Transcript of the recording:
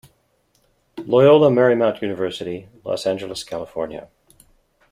Loyola Marymount University, Los Angeles, California.